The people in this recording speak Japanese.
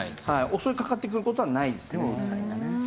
襲いかかってくる事はないですね。